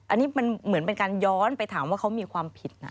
อันนี้มันเหมือนเป็นการย้อนไปถามว่าเขามีความผิดนะ